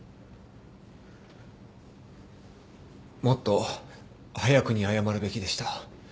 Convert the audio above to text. もっと早くに謝るべきでした。